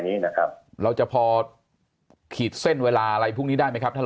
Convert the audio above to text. นี้นะครับเราจะพอขีดเส้นเวลาอะไรพวกนี้ได้ไหมครับท่าน